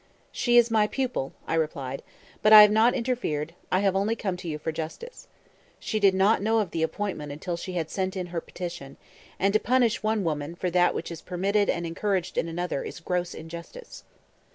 "She is my pupil," I replied. "But I have not interfered; I have only come to you for justice. She did not know of the appointment until she had sent in her petition; and to punish one woman for that which is permitted and encouraged in another is gross injustice."